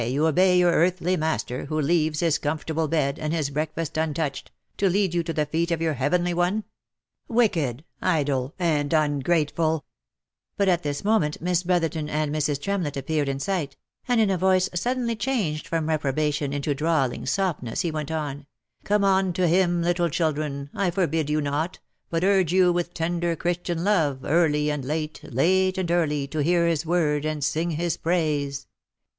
241 you obey your earthly master, who leaves his comfortable bed, and his breakfast untouched, to lead you to the feet of your heavenly one ! Wicked, idle, and ungrateful —" But at this moment Miss Brotherton and Mrs. Tremlett appeared in sight, and in a voice suddenly changed from reprobation into drawling softness, he went on, " Come unto Him little children — I forbid you not, but urge you w ith tender Christian love, early and late, late and early, to hear His word, and sing His praise."